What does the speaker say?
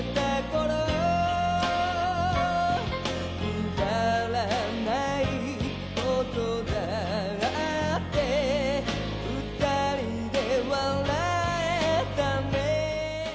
「くだらない事だって二人で笑えたね」